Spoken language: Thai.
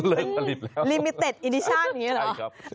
เลิกผลิตแล้วใช่ครับ